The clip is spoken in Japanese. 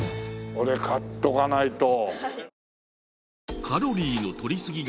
これ買っとかないと。